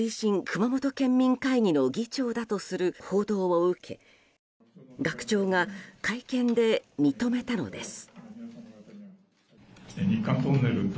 熊本県民会議の議長だとする報道を受け学長が会見で認めたのです。